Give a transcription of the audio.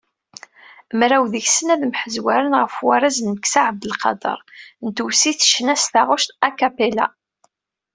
Mraw deg-sen, ad mḥezwaren ɣef warraz n Meksa Ɛabdelqader, n tewsit ccna s taɣect "acapella".